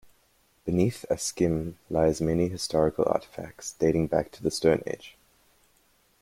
Beneath Askim lies many historical artifacts dating back to the Stone Age.